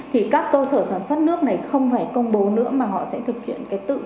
thì các cơ sở sản xuất nước này không phải công bố nữa mà họ sẽ thực hiện cái tự